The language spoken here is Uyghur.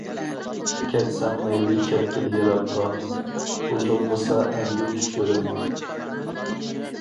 كەتسەڭ مەيلى كەتكىن يىراققا، بۇزۇلمىسا ئەمدى چۈشلىرىم.